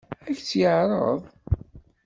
Ad k-tt-yeɛṛeḍ?